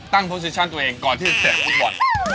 ตั้งโปสิชั่นตัวเองก่อนที่เตะลูกบอล